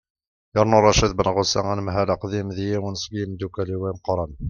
yernu racid benɣusa anemhal aqdim d yiwen seg yimeddukkal-iw imeqqranen